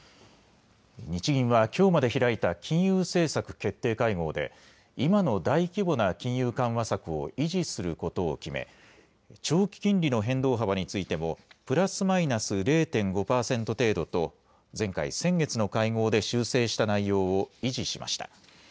日銀はきょうまで開いた金融政策決定会合で今の大規模な金融緩和策を維持することを決め長期金利の変動幅についてもプラスマイナス０．５％程度と前回先月の会合で修正した内容を維持しました。